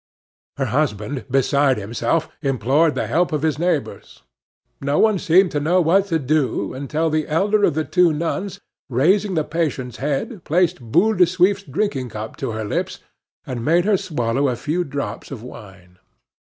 Her husband, beside himself, implored the help of his neighbors. No one seemed to know what to do until the elder of the two nuns, raising the patient's head, placed Boule de Suif's drinking cup to her lips, and made her swallow a few drops of wine.